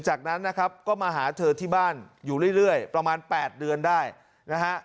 จากนั้นนะครับก็มาหาเธอที่บ้านอยู่เรื่อยประมาณ๘เดือนได้นะฮะ